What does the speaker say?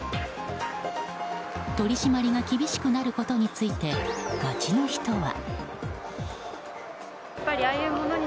取り締まりが厳しくなることについて街の人は。